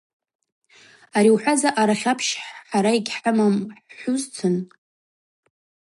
Ари йухӏваз аъара хьапщ хӏара йгьхӏымам, йузыщтӏыхуаш аъара хьапщ уыхӏтапӏ – хӏхӏварыквын мцы уахӏхӏвпӏ.